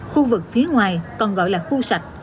khu vực phía ngoài còn gọi là khu sạch